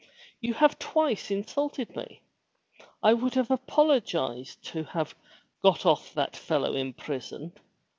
"You have twice insulted me. I would have apologized to have got off that fellow in prison.